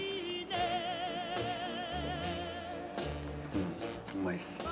うんうまいっす。